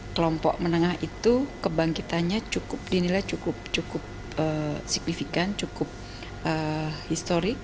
kelompok menengah itu kebangkitannya cukup dinilai cukup signifikan cukup historik